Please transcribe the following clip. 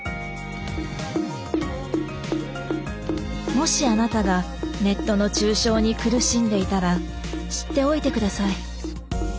もしあなたがネットの中傷に苦しんでいたら知っておいて下さい。